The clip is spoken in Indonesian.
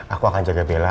aku akan jaga bella